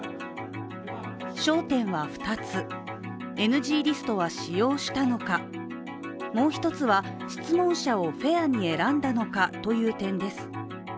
焦点は２つ、ＮＧリストは使用したのか、もう一つは、質問者をフェアに選んだのかという点です。